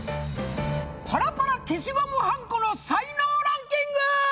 パラパラ消しゴムはんこの才能ランキング！